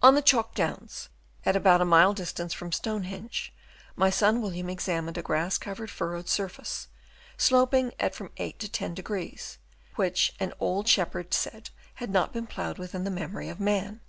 On the Chalk Downs at about a mile dis tance from Stonehenge, my son William ex amined a grass covered, furrowed surface, sloping at from 8° to 10°, which an old shep herd said had not been ploughed within the memory of man.